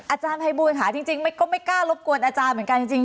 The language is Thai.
อาจารย์ภัยบูลค่ะจริงก็ไม่กล้ารบกวนอาจารย์เหมือนกันจริง